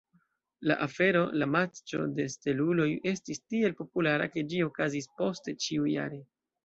La afero, la Matĉo de Steluloj, estis tiel populara ke ĝi okazis poste ĉiujare.